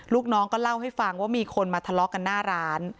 ลูกน้องก็เล่าให้ฟังว่ามีคนมาทะเลาะกันหน้าร้าน